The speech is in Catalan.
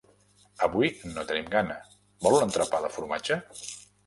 Avui no tenim gana, vol un entrepà de formatge?